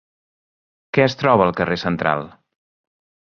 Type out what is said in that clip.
Què es troba al carrer central?